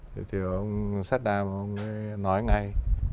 thế thì ông sadar ông ấy nói ngay